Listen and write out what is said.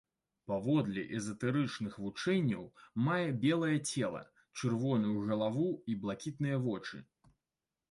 Паводле эзатэрычных вучэнняў мае белае цела, чырвоную галаву і блакітныя вочы.